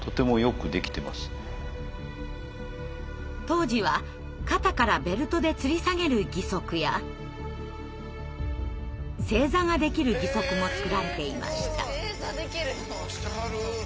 当時は肩からベルトでつり下げる義足や正座ができる義足も作られていました。